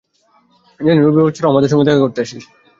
Jassy, রবিবার ছাড়াও আমাদের সঙ্গে দেখা করতে আসিস।